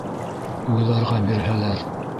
— Уйларға бирһәләр...